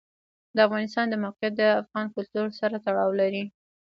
د افغانستان د موقعیت د افغان کلتور سره تړاو لري.